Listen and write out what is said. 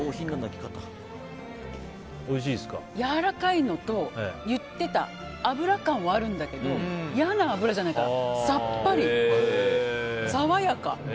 やわらかいのと脂感があるんだけど嫌な脂じゃないからさっぱり、爽やか。